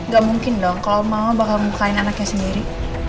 gak mungkin dong kalau mama bakal mukain anaknya sendiri